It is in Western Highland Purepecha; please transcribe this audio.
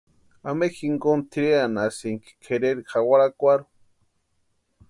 ¿Ampe jinkoni tʼirenhasïnki kʼereri jawarakwarhu?